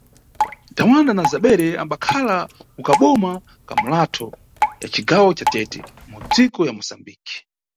Tawanda na Zabere ambankhala kukaboma kaMulatho ya cigawo ca Tete mudziko ya Musambikmi.